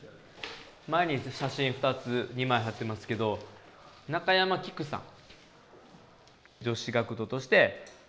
前に写真２つ２枚貼ってますけど中山きくさん。